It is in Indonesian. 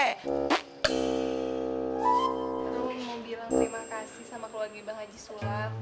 terus mau bilang terima kasih sama keluarga bang haji sulap